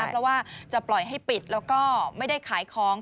เพราะว่าจะปล่อยให้ปิดแล้วก็ไม่ได้ขายของ